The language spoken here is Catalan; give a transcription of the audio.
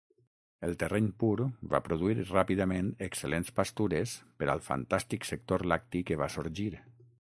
El terreny pur va produir ràpidament excel·lents pastures per al fantàstic sector lacti que va sorgir.